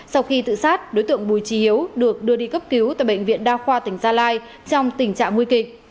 sau khi tự sát đối tượng bùi trí hiếu được đưa đi cấp cứu tại bệnh viện đa khoa tỉnh gia lai trong tình trạng nguy kịch